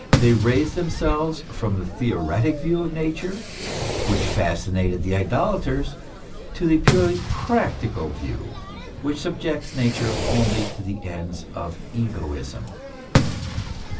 they raised themselves from the theoretic view of Nature, which fascinated the idolaters, to the purely practical view which subjects Nature only to the ends of egoism.